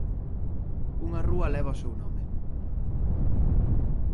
Unha rúa leva o seu nome.